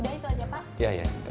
udah itu aja pak